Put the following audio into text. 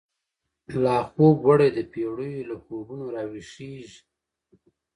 لا خوب وړی دپیړیو، له خوبونو را وښیږیږی